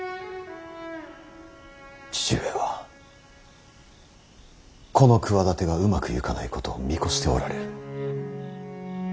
父上はこの企てがうまくゆかないことを見越しておられる。